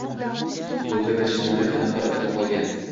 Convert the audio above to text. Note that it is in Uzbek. Ruhiy va jismoniy qiynoqlar ostida qolgan.